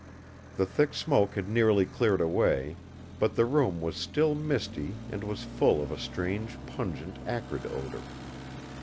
The thick smoke had nearly cleared away; but the room was still misty and was full of a strange pungent acrid odour.